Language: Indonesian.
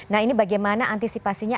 nah ini bagaimana antisipasinya